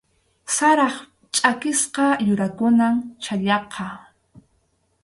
Sarap chʼakisqa yurakunam chhallaqa.